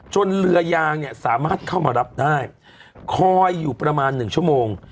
เรือยางเนี่ยสามารถเข้ามารับได้คอยอยู่ประมาณหนึ่งชั่วโมง